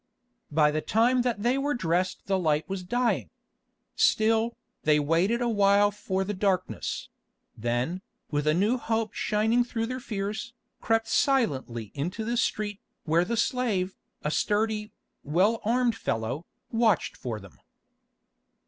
By the time that they were dressed the light was dying. Still, they waited a while for the darkness; then, with a new hope shining through their fears, crept silently into the street, where the slave, a sturdy, well armed fellow, watched for them.